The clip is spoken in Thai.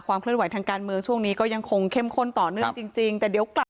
เคลื่อนไหวทางการเมืองช่วงนี้ก็ยังคงเข้มข้นต่อเนื่องจริงแต่เดี๋ยวกลับ